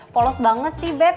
polos banget sih beb